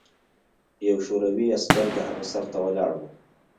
یو شوروي عسکر د هغه سر ته ولاړ و